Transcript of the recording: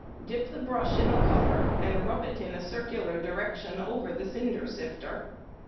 Dip the brush in the colour and rub it in a circular direction over the cinder sifter.